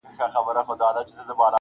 څوك به تاو كړي د بابا بګړۍ له سره-